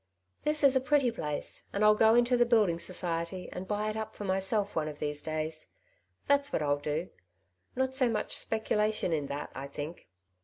" This is a pretty place, and Fll go into the Building Society, and buy it up for myself one of these days ; that's what Fll do. Not so much speculation in that, I think.